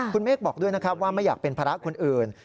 คุณเมฆบอกด้วยนะครับว่าไม่อยากเป็นภาระคนอื่น